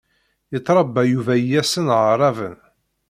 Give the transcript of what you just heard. Yettṛabba Yuba iyasen aɛraben.